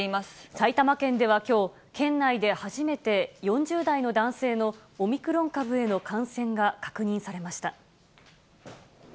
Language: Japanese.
埼玉県ではきょう、県内で初めて、４０代の男性のオミクロン株への感染が確認されました。